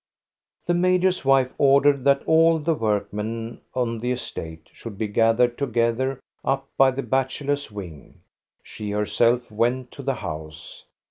The major's wife ordered that all the workmen on the estate should be gathered together up by the bachelors' wing; she herself went to the house.